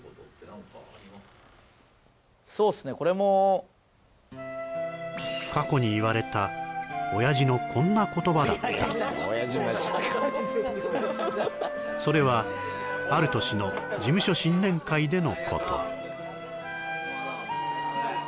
これも過去に言われた親父のこんな言葉だったそれはある年の事務所新年会でのこと